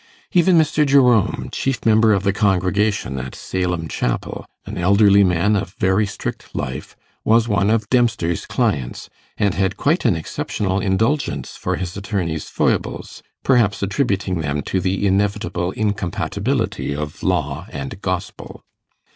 Even Mr. Jerome, chief member of the congregation at Salem Chapel, an elderly man of very strict life, was one of Dempster's clients, and had quite an exceptional indulgence for his attorney's foibles, perhaps attributing them to the inevitable incompatibility of law and gospel.